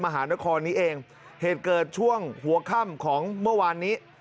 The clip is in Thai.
หัวข้ำของเมื่อวานนี้